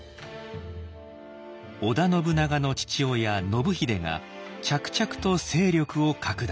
織田信長の父親信秀が着々と勢力を拡大。